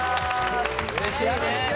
うれしいね